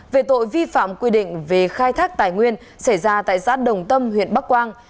về tội vi phạm quy định về khai thác tài nguyên xảy ra tại giáp đồng tâm huyện bắc quang